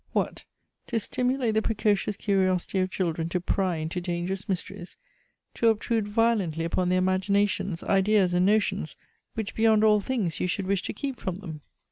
What ! to stimulate the precocious curiosity of children to pry into dangerous mysteries; to obtrude violently upon their imaginations, ideas and notions, which beyond all things you should wish to keep from them